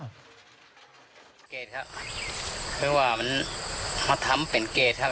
เข้ามีเกตครับเพราะว่ามาทำเป็นเกตครับ